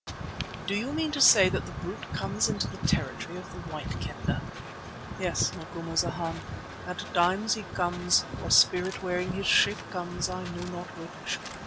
"Do you mean to say that the brute comes into the territory of the White Kendah?" "Yes, Macumazana, at times he comes, or a spirit wearing his shape comes; I know not which.